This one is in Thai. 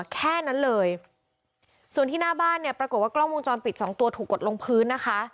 แค่นั้นเลยส่วนที่หน้าบ้านเนี่ยปรากฏว่ากล้องวงจรปิดสองตัวถูกกดลงพื้นนะคะ